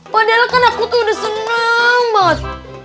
padahal kan aku tuh udah seneng bos